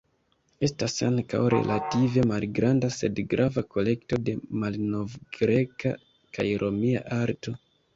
Estas ankaŭ relative malgranda sed grava kolekto de malnovgreka kaj romia arto.